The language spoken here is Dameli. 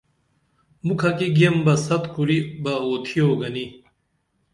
مُکھہ کی گیم بہ ست کُری بہ اُوئتھوگنی